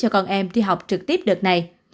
cho trường trường